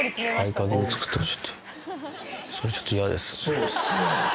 そうですね